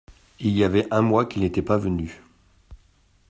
Il y avait un mois qu’il n’était pas venu.